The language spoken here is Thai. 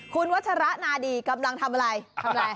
คุณวัฒระนาดีกำลังทำอะไร